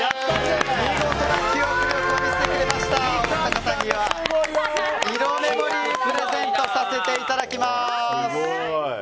見事な記憶力を見せてくれましたお二方にはイロメモリープレゼントさせていただきます。